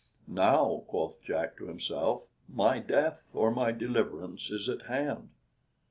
"Now," quoth Jack to himself, "my death or my deliverance is at hand."